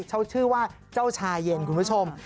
เขาชื่อว่าเจ้าชาเย็นคุณผู้ชม